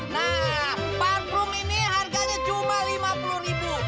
nah parfum ini harganya cuma lima puluh ribu